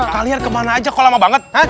kalian kemana aja kok lama banget